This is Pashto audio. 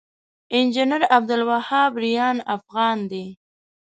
انجنير عبدالوهاب ريان افغان دی